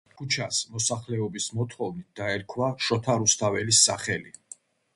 ქუჩას, მოსახლეობის მოთხოვნით, დაერქვა შოთა რუსთაველის სახელი.